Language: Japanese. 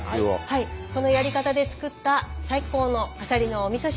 このやり方で作った最高のアサリのおみそ汁。